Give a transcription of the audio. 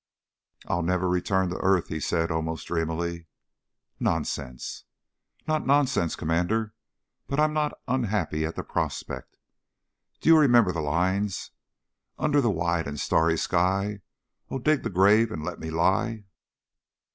"I'll never return to earth," he said, almost dreamily. "Nonsense." "Not nonsense, Commander. But I'm not unhappy at the prospect. Do you remember the lines: _Under the wide and starry sky Oh, dig the grave and let me lie